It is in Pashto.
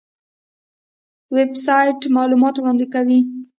ویب سایټ معلومات وړاندې کوي